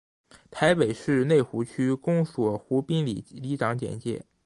台北市内湖区公所湖滨里里长简介